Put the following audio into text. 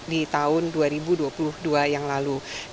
di tahun dua ribu dua puluh dua yang lalu